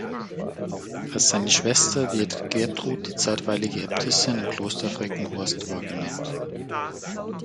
Als seine Schwester wird Gertrud, die zeitweilig Äbtissin im Kloster Freckenhorst war, genannt.